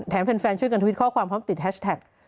แฟนช่วยกันทวิตข้อความพร้อมติดแฮชแท็ก